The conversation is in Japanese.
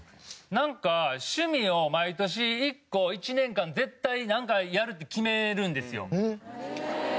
なんか趣味を毎年１個１年間絶対なんかやるって決めるんですよ。